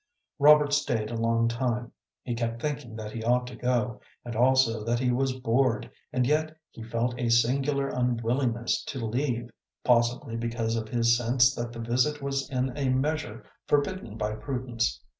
Robert stayed a long time. He kept thinking that he ought to go, and also that he was bored, and yet he felt a singular unwillingness to leave, possibly because of his sense that the visit was in a measure forbidden by prudence.